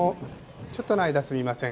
ちょっとの間すみません。